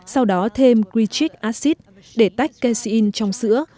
sau đó thêm glicic acid để tách casein trong sữa